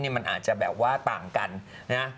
มันอาจจะแบบว่าต่างกันนะ